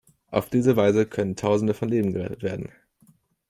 Auf diese Weise könnten Tausende von Leben gerettet werden.